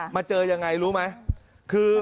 มาเจอยังไงรู้ไหม